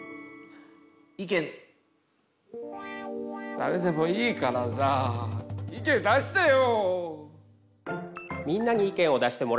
だれでもいいからさ意見出してよ。